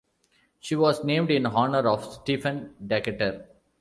She was named in honor of Stephen Decatur.